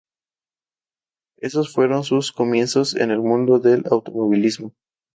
Esos fueron sus comienzos en el mundo del automovilismo.